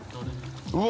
うわ！